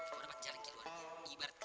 kalau dapat jalan keluarnya ibarat kata